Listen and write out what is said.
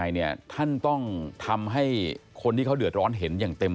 ไม่คืบอะไรยังไงท่านต้องทำให้คนที่เขาเดือดร้อนเห็นอย่างเต็ม